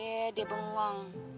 yee dia bengong